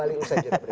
terima kasih t comba